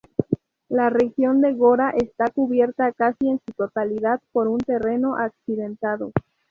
La región de Gora está cubierta casi en su totalidad por un terreno accidentado.